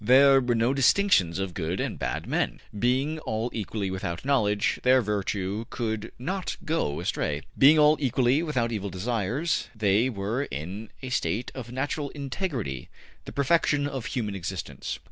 There were no distinctions of good and bad men. Being all equally without knowledge, their virtue could not go astray. Being all equally without evil desires, they were in a state of natural integrity, the perfection of human existence.